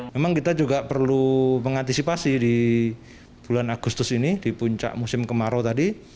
memang kita juga perlu mengantisipasi di bulan agustus ini di puncak musim kemarau tadi